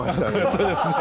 そうですね